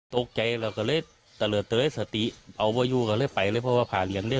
ตกใจเราก็เลยตะเลือดเตยสติเอาว่ายูก็เลยไปเลยเพราะว่าผ่านเหลืองเลย